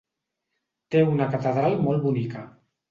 Té una catedral molt bonica.